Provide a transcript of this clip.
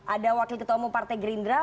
ada wakil ketua umum partai gerindra